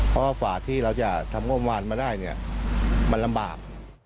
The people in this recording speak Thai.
เพราะว่าฝ่าที่เราจะทำงบวานมาได้เนี่ยมันลำบาก